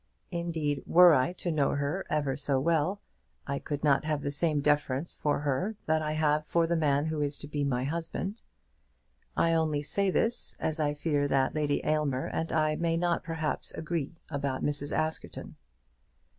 Indeed, were I to know her ever so well, I could not have the same deference for her that I have for the man who is to be my husband. I only say this, as I fear that Lady Aylmer and I may not perhaps agree about Mrs. Askerton.